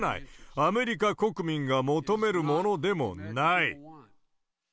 アメリカ国民が求めるものでもない。